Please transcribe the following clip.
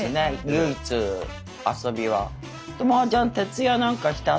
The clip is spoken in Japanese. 唯一遊びは。